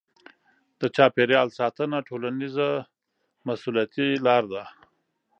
د چاپیریال ساتنه ټولنیزه مسوولیتي لاره ده.